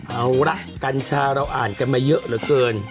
เอาละกัญชาเราอ่านกันมาเยอะเหลือเกิน